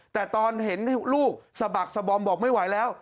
แต่ตอนเห็นลูกสะบักสะบอมบอกไม่ไหวแล้ว